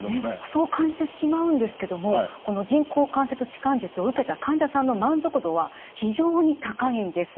そう感じてしまうんですけどもこの人工関節置換術を受けた患者さんの満足度は非常に高いんです。